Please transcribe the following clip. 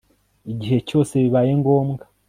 igihe cyose bibaye ngombwa